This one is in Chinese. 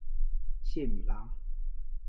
谢米拉。